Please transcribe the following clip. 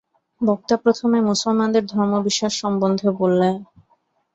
বক্তা প্রথমে মুসলমানদের ধর্মবিশ্বাস সম্বন্ধে বলেন।